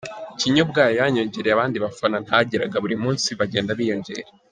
Ikinya ubwayo yanyonyereye abandi bafana ntagiraga, buri munsi bagenda biyongera.